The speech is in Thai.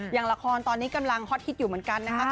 อย่างละครตอนนี้กำลังฮอตฮิตอยู่เหมือนกันนะคะ